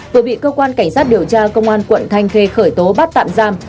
vừa bị cơ quan cảnh sát điều tra công an quận thanh khê khởi tố bắt tạm giam